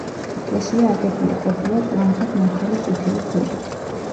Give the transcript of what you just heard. ეკლესია აგებული ყოფილა ტლანქად ნათალი წითელი ქვებით.